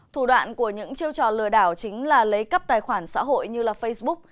thủ đoạn của những chiêu trò lừa đảo chính là lấy cấp tài khoản xã hội như facebook